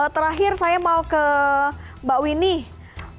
terakhir saya mau ke mbak winnie